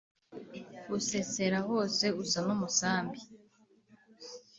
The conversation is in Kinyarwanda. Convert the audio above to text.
usesera hose usa n'umusambi